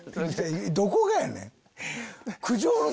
どこがやねん！